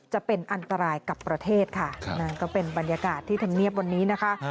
จะเป็นอันตรายกับประเทศค่ะนั่นก็เป็นบรรยากาศที่ธรรมเนียบวันนี้นะคะ